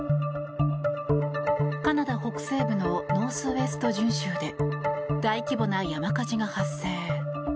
カナダ北西部のノースウエスト準州で大規模な山火事が発生。